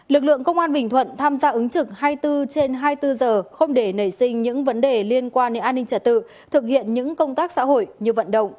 lực lượng công an bình thuận tham gia ứng trực hai mươi bốn trên hai mươi bốn giờ không để nảy sinh những vấn đề liên quan đến an ninh trả tự thực hiện những công tác xã hội như vận động